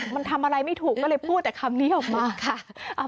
มันทำอะไรไม่ถูกก็เลยพูดแต่คำนี้ออกมาค่ะ